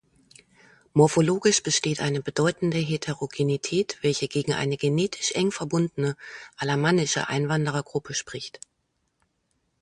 Morphologisch besteht eine bedeutende Heterogenität, welche gegen eine genetisch eng verbundene alamannische Einwanderergruppe spricht.